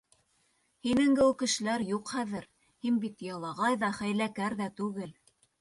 Һинең кеүек кешеләр юҡ хәҙер, һин бит ялағай ҙа, хәйләкәр ҙә түгел.